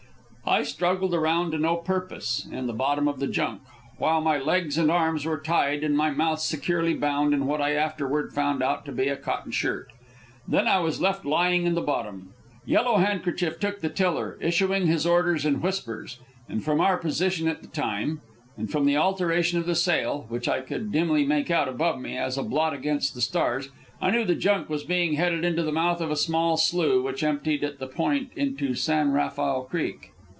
I struggled around to no purpose in the bottom of the junk, while my legs and arms were tied and my mouth securely bound in what I afterward found out to be a cotton shirt. Then I was left lying in the bottom. Yellow Handkerchief took the tiller, issuing his orders in whispers; and from our position at the time, and from the alteration of the sail, which I could dimly make out above me as a blot against the stars, I knew the junk was being headed into the mouth of a small slough which emptied at that point into San Rafael Creek.